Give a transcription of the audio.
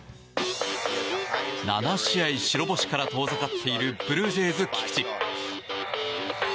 ７試合白星から遠ざかっているブルージェイズ、菊池。